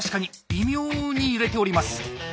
微妙に揺れております。